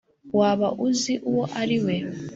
waba uzi uwo ari we?